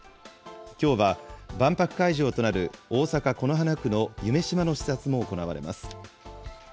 きょうは万博会場となる大阪・此花区の夢洲の視察も行われます。